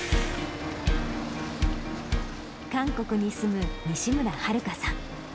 韓国に住む西村遥さん。